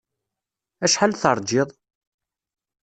Acḥal terjiḍ?